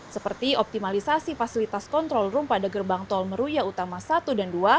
seperti optimalisasi fasilitas kontrol room pada gerbang tol meruya utama satu dan dua